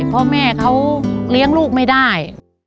พ่อแม่เขาเลี้ยงลูกไม่ได้